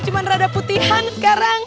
cuma rada putihan sekarang